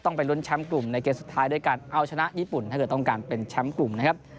ไปลุ้นแชมป์กลุ่มในเกมสุดท้ายด้วยการเอาชนะญี่ปุ่นถ้าเกิดต้องการเป็นแชมป์กลุ่มนะครับ